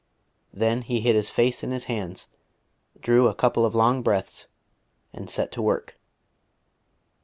Then he hid his face in his hands, drew a couple of long breaths, and set to work.